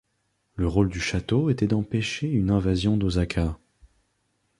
Le rôle du château était d'empêcher une invasion d'Osaka.